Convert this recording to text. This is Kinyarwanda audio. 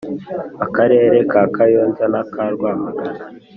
akarere ka Kayonza na ka Rwamagana